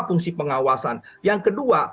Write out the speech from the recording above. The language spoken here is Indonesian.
fungsi pengawasan yang kedua